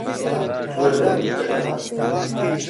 وەرە ئۆفیسەکەم.